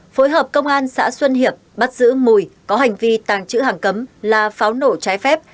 phối hợp công an xã xuân hiệp bắt giữ mùi có hành vi tàng trữ hàng cấm là pháo nổ trái phép